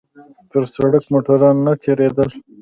پر سړک موټران نه تېرېدل.